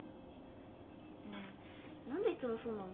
ねえ何でいつもそうなの？